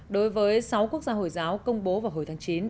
đối với sáu quốc gia hồi giáo công bố